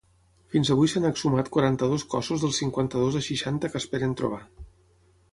Fins avui s’han exhumat quaranta-dos cossos dels cinquanta-dos a seixanta que esperen trobar.